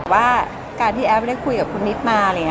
ว่าการที่แอฟได้คุยกับคุณนิตมา